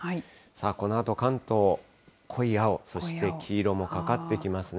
このあと関東、濃い青、そして黄色もかかってきますね。